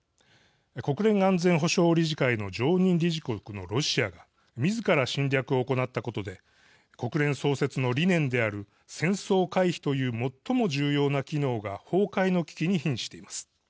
国連安全保障理事会の常任理事国のロシアがみずから侵略を行ったことで国連創設の理念である最も重要な機能が崩壊の危機にひんしています。